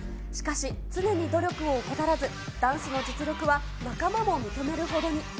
しかし、常に努力を怠らず、ダンスの実力は仲間も認めるほどに。